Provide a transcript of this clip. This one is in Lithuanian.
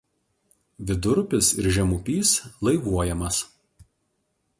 Vidurupis ir žemupys laivuojamas.